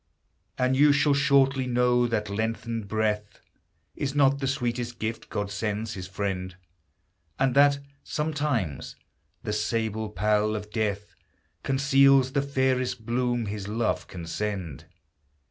And you shall shortly know that lengthened breath Is not the sweetest gift God sends his friend, And that, sometimes, the sable pall of death Conceals the fairest bloom his love can send.